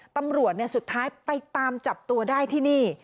ตำรวจสุดท้ายไปตามจับตัวได้ที่นี่